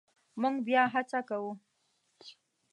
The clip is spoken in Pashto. مونږ بیا هڅه کوو